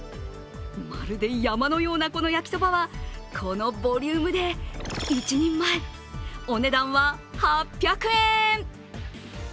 まるで山のようなこの焼きそばはこのボリュームで１人前、お値段は８００円。